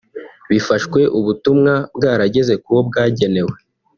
bifashwe ubutumwa bwarageze kuwo bwagenewe